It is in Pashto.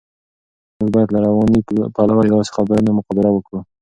موږ باید له رواني پلوه د داسې خبرونو مقابله وکړو.